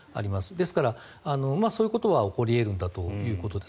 ですから、そういうことは起こり得るんだということです。